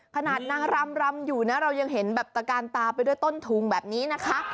ขนาดนางรำรำอยู่นะเรายังเห็นแบบตะกานตาไปด้วยต้นทุงแบบนี้นะคะ